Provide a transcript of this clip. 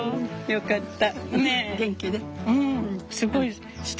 よかった。